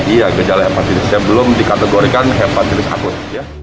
iya gejala hepatitis yang belum dikategorikan hepatitis akut